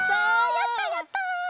やったやった！